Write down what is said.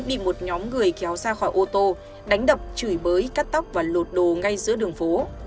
bị một nhóm người kéo ra khỏi ô tô đánh đập chửi bới cắt tóc và lột đồ ngay giữa đường phố